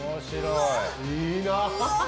いいな。